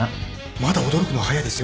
まだ驚くのは早いですよ。